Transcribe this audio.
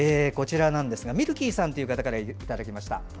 みるきーさんという方からいただきました。